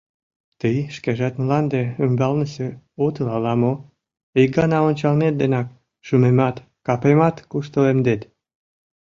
— Тый шкежат мланде ӱмбалнысе отыл ала-мо: ик гана ончалмет денак шӱмемат, капемат куштылемдет!